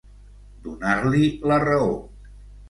Donar-li la raó.